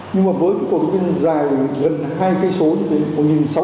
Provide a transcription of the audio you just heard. nhưng mà với cầu long biên dài gần hai km